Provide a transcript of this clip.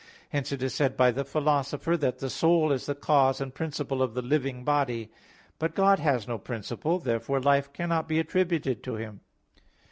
Hence it is said by the Philosopher (De Anima ii, 4) that "the soul is the cause and principle of the living body." But God has no principle. Therefore life cannot be attributed to Him.